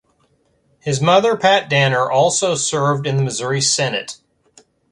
His mother Pat Danner also served in the Missouri Senate.